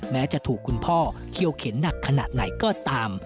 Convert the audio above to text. แม้จะถูกคุณพ่อเคี่ยวเข็นหนักขนาดไหนก็ตาม